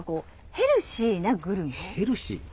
ヘルシー？